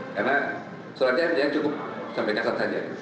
karena suratnya dia cukup sampai kasar saja